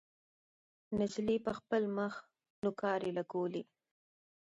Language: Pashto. نجلۍ پر خپل مخ نوکارې لګولې.